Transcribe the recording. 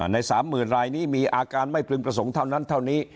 ใน๓๐๐๐รายนี้มีอาการไม่พึงประสงค์เท่านั้นเท่านี้